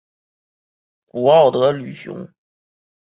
古奥德吕雄。